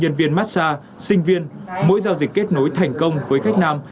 trong thời gian mắt xa sinh viên mỗi giao dịch kết nối thành công với khách nam